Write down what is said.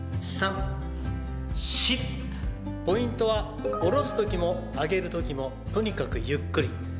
ポイントは下ろすときも上げるときもとにかくゆっくり。